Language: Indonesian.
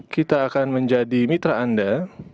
kita akan menjadi mitra anda